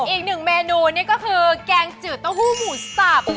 อีก๑เมนูนี่ก็คือแกงจืดโต้หู้หมูสับ